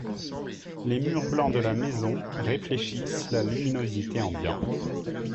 Les murs blancs de la maison réfléchissent la luminosité ambiante